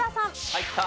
入った！